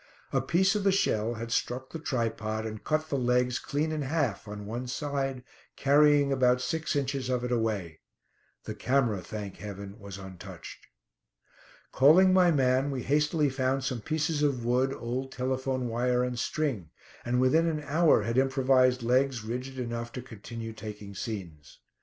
A piece of the shell had struck the tripod and cut the legs clean in half, on one side, carrying about six inches of it away. The camera, thank heaven, was untouched. Calling my man, we hastily found some pieces of wood, old telephone wire and string, and within an hour had improvised legs, rigid enough to continue taking scenes.